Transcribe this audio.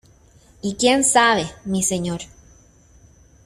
¡ y quién sabe, mi señor!...